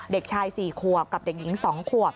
เด็กชาย๔ขวบกับเด็กหญิง๒ขวบ